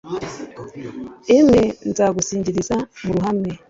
imwe, nzagusingiriza mu ruhamwe